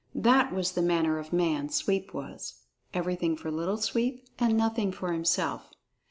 That was the manner of man Sweep was. Everything for Little Sweep and nothing for himself.